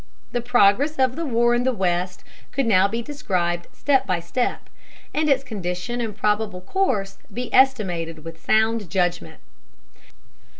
The progress of the war in the West could now be described step by step, and its condition and probable course be estimated with sound judgment.